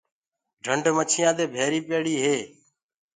ڍنڊ مڇيآنٚ دي ڀيري پيڙي هي۔